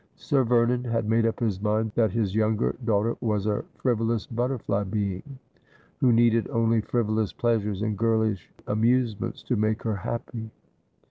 Sir Vernon had made up his mind that his younger daughter was a frivolous butterfly being, who needed only frivolous pleasures and girlish amusements to make her happy.